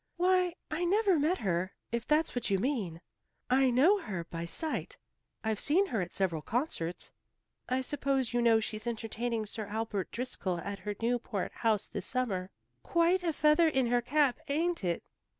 "Why, I never met her, if that's what you mean. I know her by sight. I've seen her at several concerts." "I suppose you know she's entertaining Sir Albert Driscoll at her Newport house this summer. Quite a feather in her cap, ain't it?"